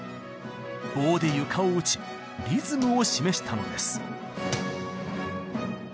棒で床を打ちリズムを示したのです。